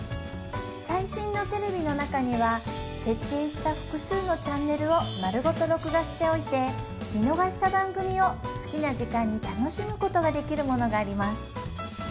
最新のテレビの中には設定した複数のチャンネルをまるごと録画しておいて見逃した番組を好きな時間に楽しむことができるものがあります